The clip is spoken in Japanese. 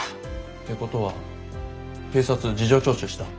てことは警察事情聴取した？